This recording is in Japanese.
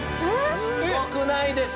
すごくないですか？